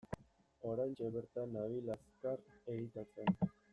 Oraintxe bertan nabil azkar editatzen.